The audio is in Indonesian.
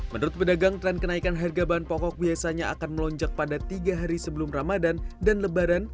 menurut pedagang tren kenaikan harga bahan pokok biasanya akan melonjak pada tiga hari sebelum ramadan dan lebaran